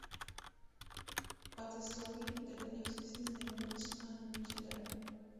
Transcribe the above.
Pat Storey de la diócesis de Meath y Kildare.